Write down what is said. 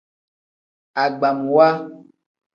Agbamwa.